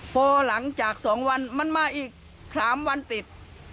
พอหลังจาก๒วันมันมาอีก๓วันติด